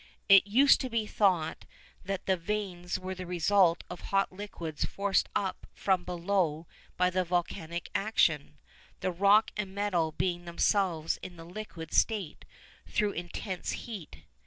It used to be thought that the veins were the result of hot liquids forced up from below by volcanic action, the rock and metal being themselves in the liquid state through intense heat.